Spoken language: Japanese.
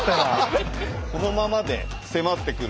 このままで迫ってくる。